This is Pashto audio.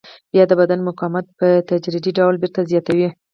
بیا د بدن مقاومت په تدریجي ډول بېرته زیاتوي.